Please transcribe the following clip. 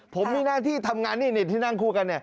ผมมีหน้าที่ทำงานนี่ที่นั่งคู่กัน